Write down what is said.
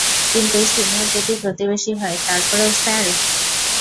কিন্তু সিনিয়র যদি প্রতিবেশী হয়, তারপরেও, স্যার?